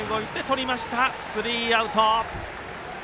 スリーアウト。